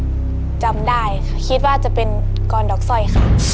กรรณดอกสร้อยค่ะก็เลยจำได้คิดว่าจะเป็นกรรณดอกสร้อยค่ะ